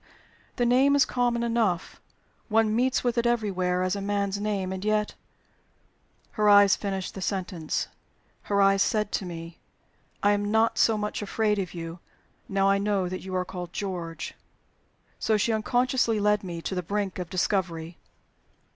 "The name is common enough: one meets with it everywhere as a man's name And yet " Her eyes finished the sentence; her eyes said to me, "I am not so much afraid of you, now I know that you are called 'George.'" So she unconsciously led me to the brink of discovery!